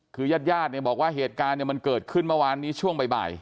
คือญาติญาติเนี่ยบอกว่าเหตุการณ์มันเกิดขึ้นเมื่อวานนี้ช่วงบ่าย